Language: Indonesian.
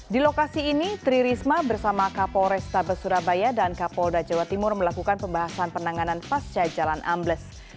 di lokasi ini tri risma bersama kapol restabes surabaya dan kapolda jawa timur melakukan pembahasan penanganan pasca jalan ambles